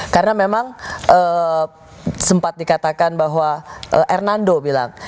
karena memang sempat dikatakan bahwa hernando bilang